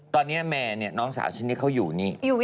ตอนนี้แมนน้องสาวชิ้นนี้เขาอยู่นี่